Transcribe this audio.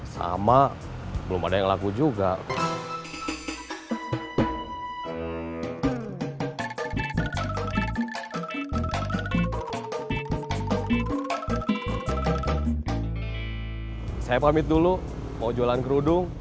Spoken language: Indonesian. saya pamit dulu mau jualan gerudung